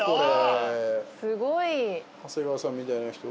すごい。